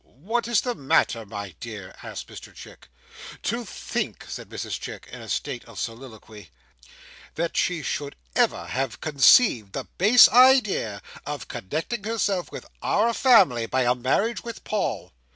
"What is the matter, my dear?" asked Mr Chick "To think," said Mrs Chick, in a state of soliloquy, "that she should ever have conceived the base idea of connecting herself with our family by a marriage with Paul!